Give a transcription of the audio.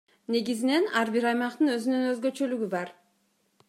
Негизинен ар бир аймактын өзүнүн өзгөчөлүгү бар.